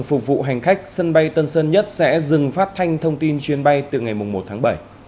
phục vụ hành khách sân bay tân sơn nhất sẽ dừng phát thanh thông tin chuyến bay từ ngày một tháng bảy